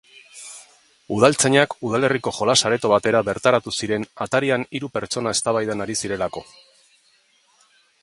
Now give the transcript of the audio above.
Udaltzainak udalerriko jolas-areto batera bertaratu ziren atarian hiru pertsona eztabaidan ari zirelako.